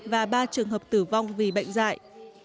và ba trường hợp tử vong vì bệnh dại